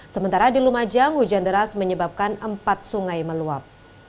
sementara di lumajang hujan deras menyebabkan empat sungai meluap